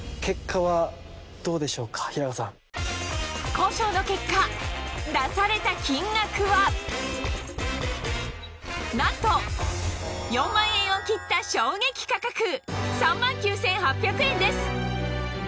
交渉の結果出された金額はなんと４万円を切った衝撃価格３万９８００円